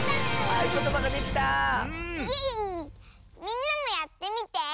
みんなもやってみて。